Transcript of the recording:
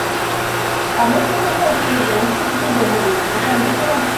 Pane komisaři, vyložte tuto dohodu okamžitě na stůl.